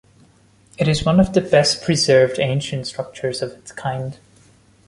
It is one of the best preserved ancient structures of its kind.